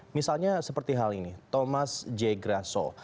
misalnya seperti hal ini thomas j grassol